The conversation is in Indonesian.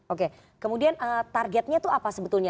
oke kemudian targetnya itu apa sebetulnya